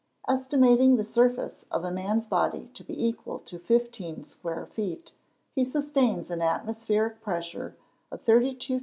_ Estimating the surface of man's body to be equal to fifteen square feet, he sustains an atmospheric pressure of 32,400 lbs.